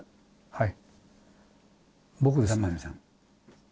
はい。